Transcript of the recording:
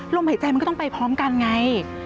หายใจมันก็ต้องไปพร้อมกันไง